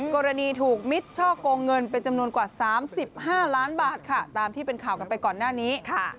กรณีถูกมิตรช่อกงเงินเป็นจำนวนกว่า๓๕ล้านบาทค่ะตามที่เป็นข่าวกันไปก่อนหน้านี้